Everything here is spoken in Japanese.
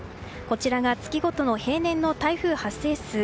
こちらが月ごとの平年の台風発生数。